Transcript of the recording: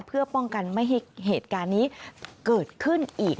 เพื่อป้องกันไม่ให้เหตุการณ์นี้เกิดขึ้นอีก